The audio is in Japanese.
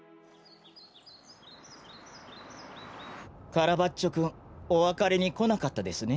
カラバッチョくんおわかれにこなかったですね。